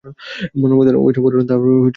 মনোবেদনার অবিশ্রাম পীড়নে তাহার ভয় হইল।